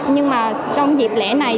nhưng mà trong dịp lễ này